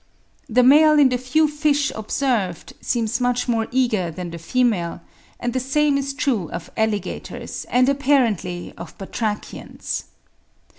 The male in the few fish observed seems much more eager than the female; and the same is true of alligators, and apparently of Batrachians.